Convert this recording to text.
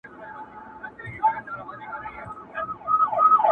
o پوهنتون د میني ولوله که غواړې,